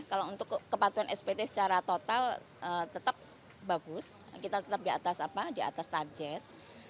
kalau untuk kepatuhan spt secara total tetap bagus kita tetap di atas target